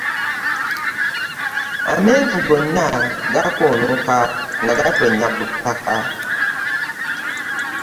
Amenvu gonna gakoonoka nga gatonnya ku ttaka